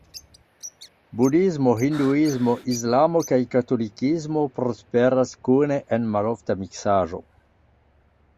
Budhismo, hinduismo, islamo kaj katolikismo prosperas kune en malofta miksaĵo.